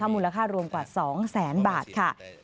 มูลค่ารวมกว่า๒แสนบาทค่ะ